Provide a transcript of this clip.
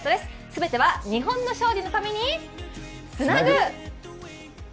全ては日本の勝利のためにつなぐ！